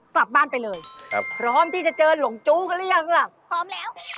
กลับบ้านไปเลยครับพร้อมที่จะเจอหลงจู้กันหรือยังล่ะพร้อมแล้ว